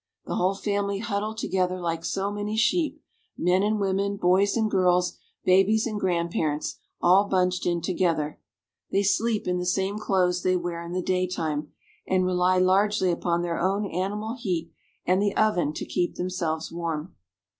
The whole family hud dle together like so many sheep : men and women, boys and girls, babies and grandparents, all bunched in to this room serves as kitchen, dining room, bedroom, and parlor." gether. They sleep in the same clothes they wear in the daytime, and rely largely upon their own animal heat and the oven to keep themselves warm.